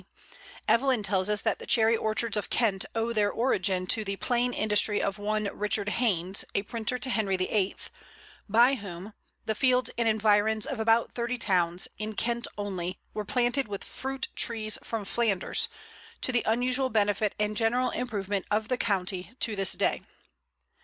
D. Evelyn tells us that the Cherry orchards of Kent owe their origin to "the plain industry of one Richard Haines, a printer to Henry VIII.," by whom "the fields and environs of about thirty towns, in Kent only, were planted with fruit trees from Flanders, to the unusual benefit and general improvement of the county to this day."